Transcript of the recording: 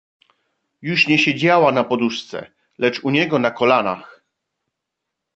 "Już nie siedziała na poduszce, lecz u niego na kolanach..."